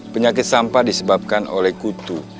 penyakit sampah disebabkan oleh kutu